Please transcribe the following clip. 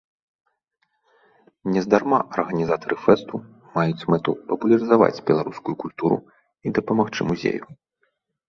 Нездарма арганізатары фэсту маюць мэту папулярызаваць беларускую культуру і дапамагчы музею.